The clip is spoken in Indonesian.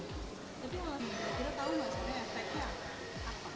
tapi kalau kira kira tau gak sebenernya efeknya apa